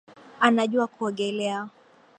Anajua kuogelea